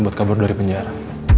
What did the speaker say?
gue keluar dari penjara